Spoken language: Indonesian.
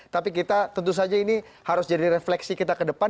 tapi kita tentu saja ini harus jadi refleksi kita ke depan